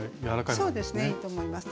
そうですねいいと思います。